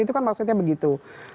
itu kan maksudnya begitu